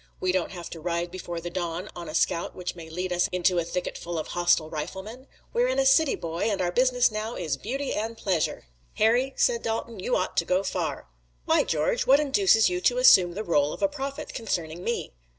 We don't have to ride before the dawn on a scout which may lead us into a thicket full of hostile riflemen. We're in a city, boy, and our business now is beauty and pleasure!" "Harry," said Dalton, "you ought to go far." "Why, George? What induces you to assume the role of a prophet concerning me?"